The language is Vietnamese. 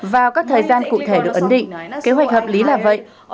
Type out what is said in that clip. vào các thời gian cụ thể được ấn định kế hoạch hợp lý là vậy